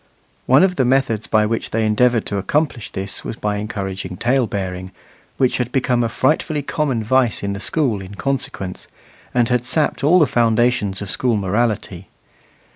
One of the methods by which they endeavoured to accomplish this was by encouraging tale bearing, which had become a frightfully common vice in the school in consequence, and had sapped all the foundations of school morality.